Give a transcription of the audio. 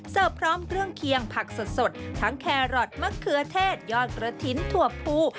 พร้อมเครื่องเคียงผักสดทั้งแครอทมะเขือเทศยอดกระถิ่นถั่วภู